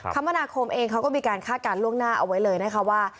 คมนาคมเองเขาก็มีการคาดการณ์ล่วงหน้าเอาไว้เลยนะคะว่า